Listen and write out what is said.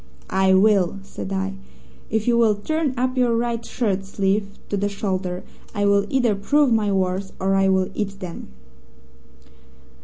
"'I will!' said I. 'If you will turn up your right shirt sleeve to the shoulder, I will either prove my words or I will eat them.'